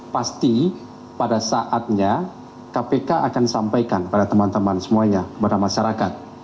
pasti pada saatnya kpk akan sampaikan kepada teman teman semuanya kepada masyarakat